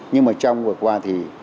nhưng mà trong vừa qua thì